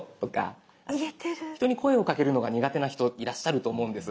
人に声をかけるのが苦手な人いらっしゃると思うんです。